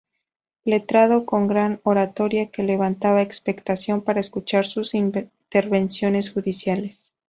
Letrado con gran oratoria, que levantaba expectación para escuchar sus intervenciones judiciales.